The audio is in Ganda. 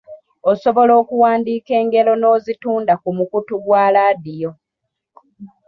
Osobola okuwandiika engero n'ozitunda ku mukutu gwa laadiyo.